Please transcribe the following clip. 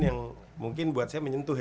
yang mungkin buat saya menyentuh ya